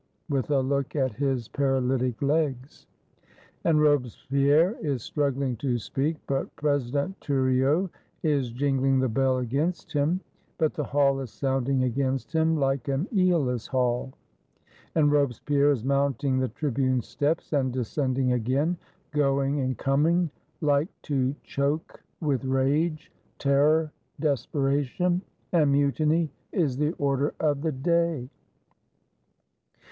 with a look at his paralytic legs. And Robespierre is struggling to speak, but Presi dent Thuriot is jinghng the bell against him, but the Hall is sounding against him like an ^olus Hall: and Robespierre is mounting the Tribune steps and descend ing again; going and coming, like to choke with rage, terror, desperation :— and mutiny is the order of the day!